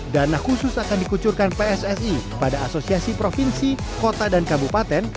dana khusus akan dikucurkan pssi pada asosiasi provinsi kota dan kabupaten